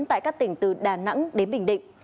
tại các tỉnh từ đà nẵng đến bình định